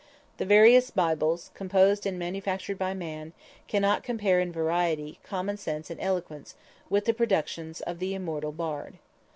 The various bibles, composed and manufactured by man, cannot compare in variety, common sense and eloquence, with the productions of the Immortal Bard.